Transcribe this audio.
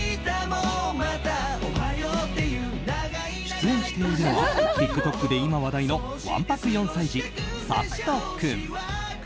出演しているのはＴｉｋＴｏｋで今話題のわんぱく４歳児、サクト君。